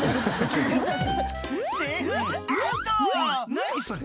［何それ⁉］